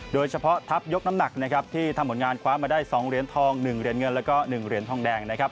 โดยเฉพาะทัพยกน้ำหนักที่ทำผลงานคว้ามาได้๒เหรียญทอง๑เหรียญเงิน๑เหรียญทองแดง